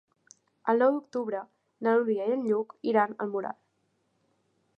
El nou d'octubre na Núria i en Lluc iran al Molar.